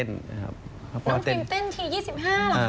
น้องพรีมเต้นที๒๕เหรอทำ